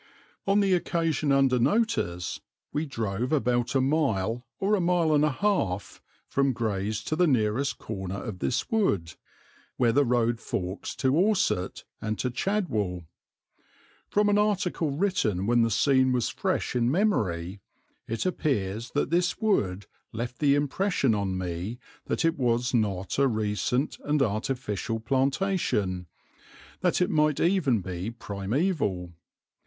On the occasion under notice we drove about a mile or a mile and a half from Grays to the nearest corner of this wood, where the road forks to Orsett and to Chadwell. From an article written when the scene was fresh in memory it appears that this wood left the impression on me that it was not a recent and artificial plantation, that it might even be primeval.